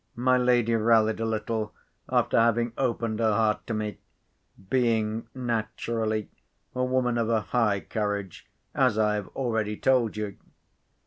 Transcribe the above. My lady rallied a little after having opened her heart to me—being, naturally, a woman of a high courage, as I have already told you.